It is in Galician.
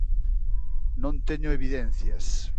Non teño evidencias.